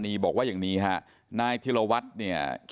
แล้วก็ช่วยกันนำนายธีรวรรษส่งโรงพยาบาล